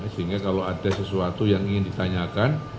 sehingga kalau ada sesuatu yang ingin ditanyakan